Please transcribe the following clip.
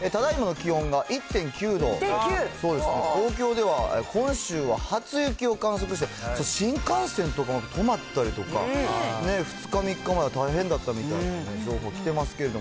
１．９？東京では今週は初雪を観測して、新幹線とかも止まったりとか、２日、３日まで大変だったみたいな情報来てますけども。